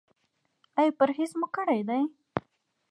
ایا پرهیز مو کړی دی؟